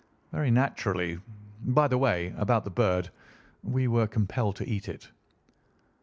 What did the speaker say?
"Very naturally. By the way, about the bird, we were compelled to eat it."